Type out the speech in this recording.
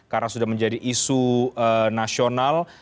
karena sudah menjadi isu nasional